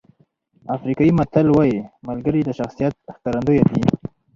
افریقایي متل وایي ملګري د شخصیت ښکارندوی دي.